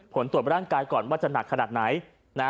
ผลตรวจร่างกายก่อนว่าจะหนักขนาดไหนนะ